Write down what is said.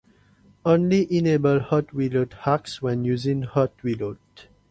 Only enable hot reload hacks when using hot reload